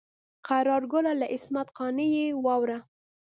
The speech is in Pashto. قرار ګله له عصمت قانع یې واوره.